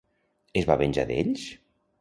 Es va venjar d'ells?